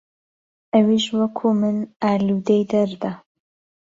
ئهویش وهکوو من ئالوودهی دهرده